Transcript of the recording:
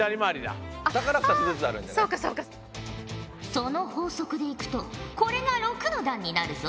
その法則でいくとこれが６の段になるぞ。